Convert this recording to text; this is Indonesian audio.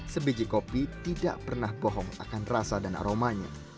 sebiji kopi tidak pernah bohong akan rasa dan aromanya